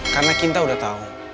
karena kinta udah tau